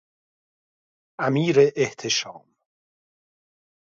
امیراحتشام